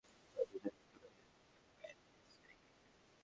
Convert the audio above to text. Brendon Rodgers কোনো ঝুঁকি নেননি, সঙ্গে সঙ্গেই তুলে নেন খ্যাপাটে স্ট্রাইকারকে।